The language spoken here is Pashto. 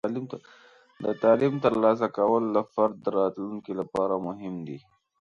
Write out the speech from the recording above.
د تعلیم ترلاسه کول د فرد د راتلونکي لپاره مهم دی.